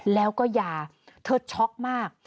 แล้วก็ยาเธอช็อกมาก